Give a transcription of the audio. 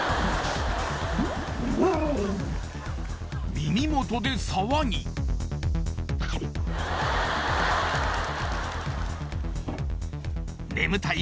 耳元で騒ぎ眠たい